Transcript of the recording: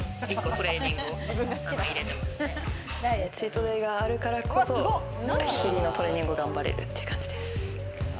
チートデイがあるからこそ、日々のトレーニングを頑張れるっていう感じです。